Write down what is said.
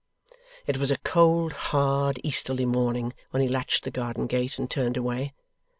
It was a cold hard easterly morning when he latched the garden gate and turned away.